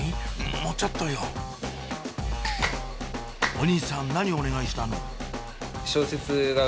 もうちょっとよお兄さん何お願いしたの？